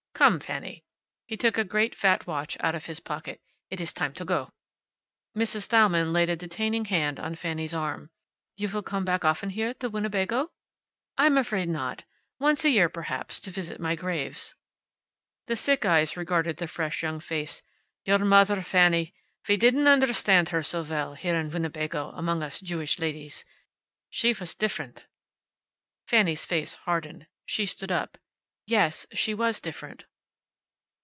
Come, Fanny." He took a great, fat watch out of his pocket. "It is time to go." Mrs. Thalmann laid a detaining hand on Fanny's arm. "You will come often back here to Winnebago?" "I'm afraid not. Once a year, perhaps, to visit my graves." The sick eyes regarded the fresh young face. "Your mother, Fanny, we didn't understand her so well, here in Winnebago, among us Jewish ladies. She was different." Fanny's face hardened. She stood up. "Yes, she was different."